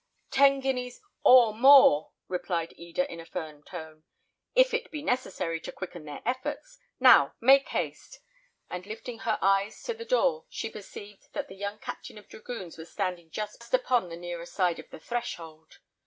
"Ten guineas, or more," replied Eda, in a firm tone, "if it be necessary to quicken their efforts. Now, make haste." And lifting her eyes to the door, she perceived that the young captain of dragoons was standing just upon the nearer side of the threshold.